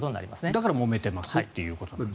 だからもめてますということですね。